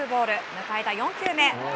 迎えた４球目。